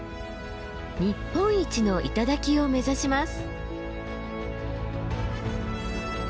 日本一の頂を目指します。